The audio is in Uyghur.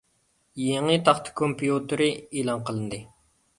يېڭى تاختا كومپيۇتېرى ئېلان قىلىندى.